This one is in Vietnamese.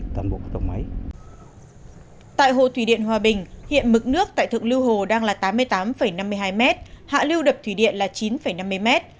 tại hồ thủy điện hòa bình hiện mực nước tại thượng lưu hồ đang là tám mươi tám năm mươi hai m hạ lưu đập thủy điện là chín năm mươi m